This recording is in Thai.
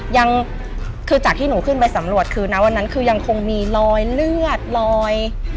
ยังคือจากที่หนูขึ้นไปสำรวจคือนะวันนั้นคือยังคงมีรอยเลือดรอย